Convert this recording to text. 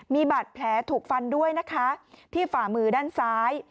มีบาดแผลถูกฟันด้วยนะคะที่ฝ่ามือด้านซ้าย